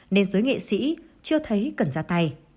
nên giới nghệ sĩ chưa thấy cần ra tay